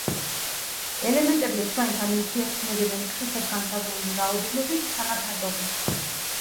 ელემენტები ერთმანეთთან ურთიერთქმედებენ მტკიცედ განსაზღვრული რაოდენობითი თანაფარდობით.